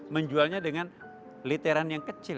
menjualnya dengan literan yang kecil